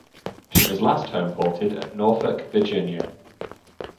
She was last homeported at Norfolk, Virginia.